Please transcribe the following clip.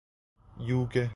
you کے